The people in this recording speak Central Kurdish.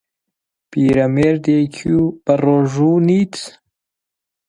پیرەمێردێکی و بەڕۆژوو نیت